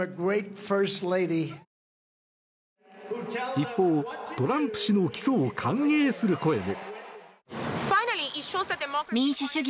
一方、トランプ氏の起訴を歓迎する声も。